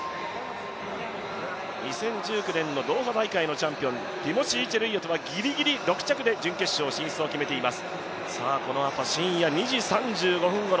２０１９年のドーハ大会のチャンピオン、ティモシー・チェルイヨトはぎりぎり６着で準決勝進出を決めています。